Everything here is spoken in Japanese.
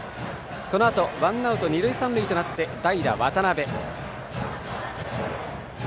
このあとワンアウト二塁三塁で代打・渡邊。